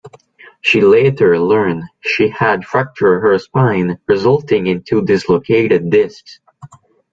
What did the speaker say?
She later learned she had fractured her spine, resulting in two dislocated discs.